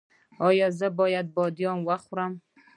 ایا زه بادیان خوړلی شم؟